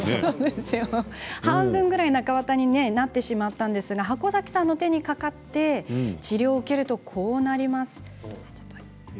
半分ぐらい中綿になってしまったんですが箱崎さんの手にかかって治療を受けるとこうなります。